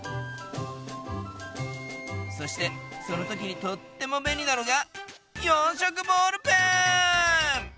そしてそのときにとっても便利なのが４色ボールペン！